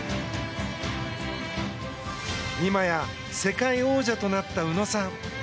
いまや世界王者となった宇野さん。